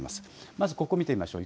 まずここ見てみましょう。